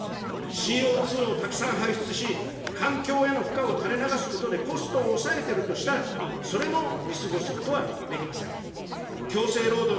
ＣＯ２をたくさん排出し、環境への負荷を垂れ流すことでコストを抑えてるとしたら、それも見過ごすことはできません。